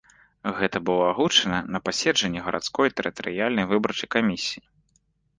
Гэта было агучана на паседжанні гарадской тэрытарыяльнай выбарчай камісіі.